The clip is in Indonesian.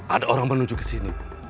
ada orang menuju ke sini